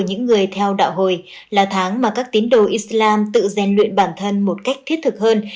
hồi theo đạo hồi là tháng mà các tín đồ islam tự gian luyện bản thân một cách thiết thực hơn